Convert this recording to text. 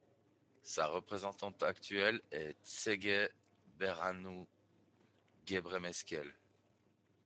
Sa représentante actuelle est Tsege Berhanou Gebremesqel.